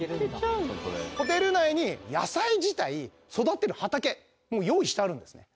ホテル内に野菜自体育てる畑用意してあるんですね。